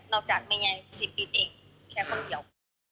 นอกจากไม่ง่ายสิทธิ์อีกแค่คนเดียว